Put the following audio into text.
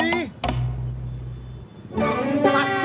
dev hacia surga buatmaybe